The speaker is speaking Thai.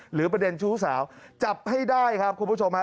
หรือประเด็นชู้สาวจับให้ได้ครับคุณผู้ชมฮะ